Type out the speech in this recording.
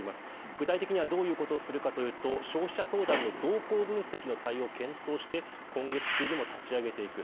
具体的にはどういうことをするかというと、消費者相談の動向分析の対応を検討して今月中にも立ち上げていく。